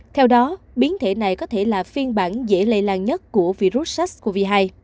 theo đó biến thể này có thể là phiên bản dễ lây lan nhất của virus sars cov hai